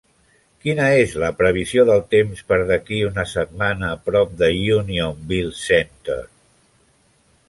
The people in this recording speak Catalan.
Quina és la previsió del temps per d'aquí una setmana prop de Unionville Center?